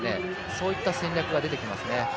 そういった戦略が出てきます。